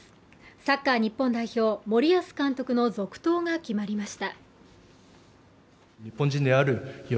サッカー日本代表、森保監督の続投が決まりました。